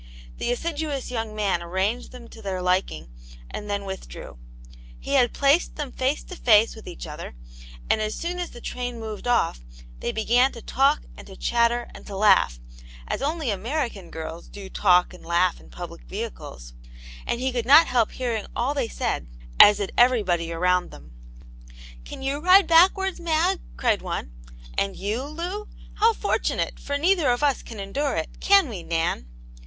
The assiduous young man arranged them to their liking and then withdrew. He had placed them face to face with each other, and as soon as the train moved off, they began to talk and to chatter and to laugh, as only American girls do talk and laugh in public vehicles, and he could not help hearing all they said, as did everybody around them. Aunt Jane's Hero, 47 " Can yrtu ride backwards, Mag ?" cried one. " And can you, Lou ? How fortunate, for neither of us can endure it, can we, Nan